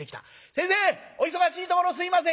先生お忙しいところすいません」。